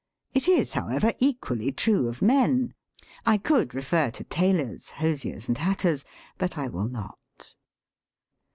It is, however, equally true of men. I could refer to tailors, hosiers, and hatters, but I will not.